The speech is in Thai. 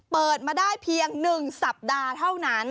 เปิดมาได้เพียง๑สัปดาห์เท่านั้น